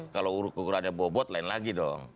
kalau urut urut ada bobot lain lagi dong